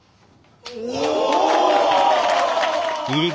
お！